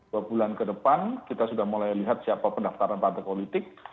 dua bulan ke depan kita sudah mulai lihat siapa pendaftaran partai politik